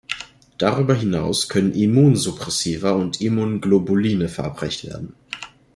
Darüber hinaus können Immunsuppressiva und Immunglobuline verabreicht werden.